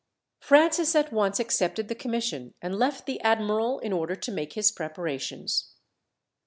Francis at once accepted the commission, and left the admiral in order to make his preparations.